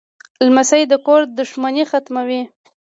لمسی د کور دښمنۍ ختموي.